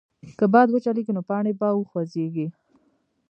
که باد وچلېږي، نو پاڼې به وخوځېږي.